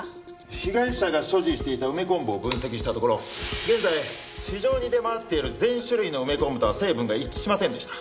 被害者が所持していた梅昆布を分析したところ現在市場に出回っている全種類の梅昆布とは成分が一致しませんでした。